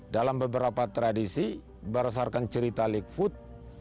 dalam beberapa tradisi berdasarkan cerita liquote